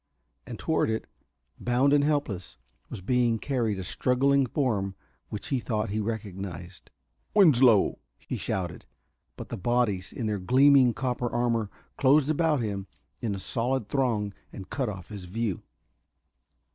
And toward it, bound and helpless, was being carried a struggling form which he thought he recognized. "Winslow!" he shouted. But the bodies in their gleaming copper armor closed about him in a solid throng and cut off his view.